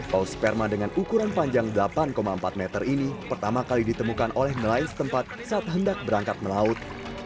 paus sperma dengan ukuran panjang delapan empat meter ini pertama kali ditemukan oleh nelayan setempat saat hendak berangkat melaut